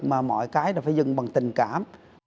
mà mọi cái là phải dừng bằng tình cảm